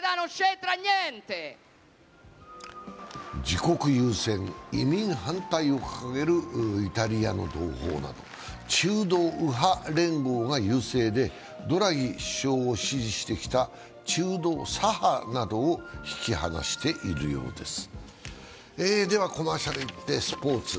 自国優先・移民反対を掲げるイタリアの同胞など中道右派連合が優勢で、ドラギ首相を支持してきた中道左派などを引き離しているようです。